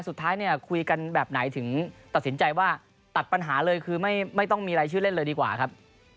สุดท้ายเนี่ยคุยกันแบบไหนถึงตัดสินใจว่าตัดปัญหาเลยคือไม่ต้องมีรายชื่อเล่นเลยดีกว่าครับ